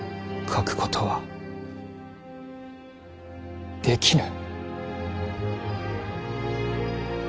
書くことはできぬ。